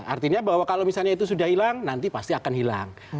artinya bahwa kalau misalnya itu sudah hilang nanti pasti akan hilang